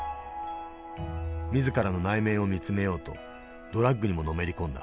自らの内面を見つめようとドラッグにものめり込んだ。